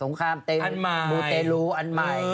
สงครามมูเตลุอันใหม่